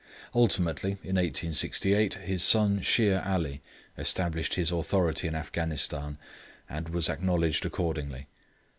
Ultimately, in 1868, his son Shere Ali established his authority in Afghanistan, and was acknowledged accordingly.